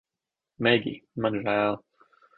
Megij, man žēl